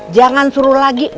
jangan suruh lagi